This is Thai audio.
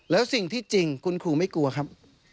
แล้วสิ่งที่จริงคุณครูไม่กลัวครับ